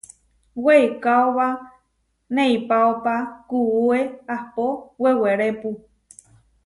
Weikaóba neipáopa kuué ahpó wewerépu.